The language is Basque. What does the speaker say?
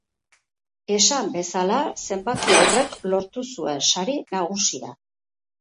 Esan bezala, zenbaki horrek lortu zuen sari nagusia.